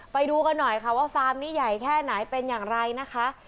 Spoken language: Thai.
ไปดูกันหน่อยค่ะว่าฟาร์มนี้ใหญ่แค่ไหนเป็นอย่างไรนะคะ